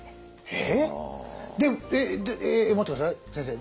えっ！？でええ待って下さい先生。